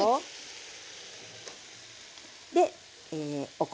でお米。